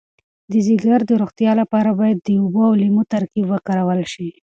د ځیګر د روغتیا لپاره باید د اوبو او لیمو ترکیب وکارول شي.